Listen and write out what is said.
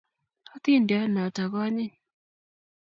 athindiyot noto ko anyiny